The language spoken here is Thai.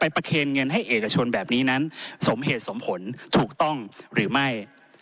ประเคนเงินให้เอกชนแบบนี้นั้นสมเหตุสมผลถูกต้องหรือไม่